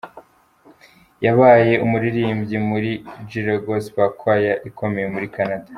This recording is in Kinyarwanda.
Yabaye umuririmbyi muri Jireh Gospel Choir ikomeye muri Canada.